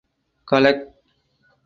Collect.